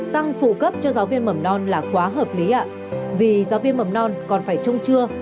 tăng phụ cấp cho giáo viên mầm non là quá hợp lý ạ vì giáo viên mầm non còn phải trông chưa